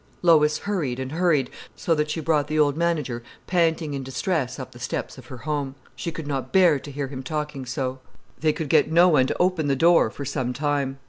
Lois hurried and hurried, so that she brought the old manager panting in distress up the steps of her home. She could not bear to hear him talking so. They could get no one to open the door for some time.